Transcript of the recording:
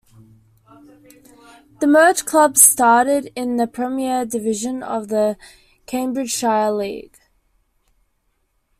The merged club started in the Premier Division of the Cambridgeshire League.